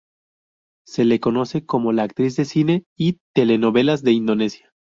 Se le conoce como la actriz de cine y telenovelas de Indonesia.